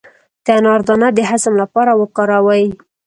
د انار دانه د هضم لپاره وکاروئ